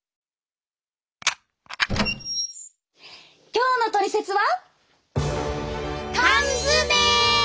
今日の「トリセツ」は？